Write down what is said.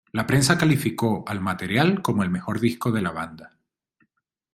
La prensa calificó al material como "el mejor disco de la banda".